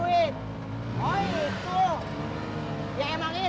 kirain tadi maksudnya sekarang mau cari duit